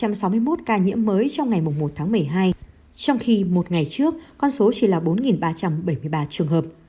mới trong ngày một một mươi hai trong khi một ngày trước con số chỉ là bốn ba trăm bảy mươi ba trường hợp